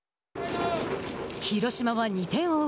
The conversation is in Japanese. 広島は２点を追う